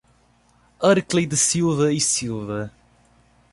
Arkley da Silva E Silva